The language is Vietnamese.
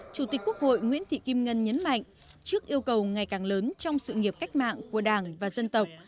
chủ tịch quốc hội nguyễn thị kim ngân nhấn mạnh trước yêu cầu ngày càng lớn trong sự nghiệp cách mạng của đảng và dân tộc